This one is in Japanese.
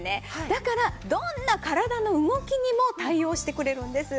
だからどんな体の動きにも対応してくれるんです。